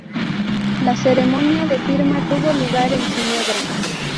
La ceremonia de firma tuvo lugar en Ginebra.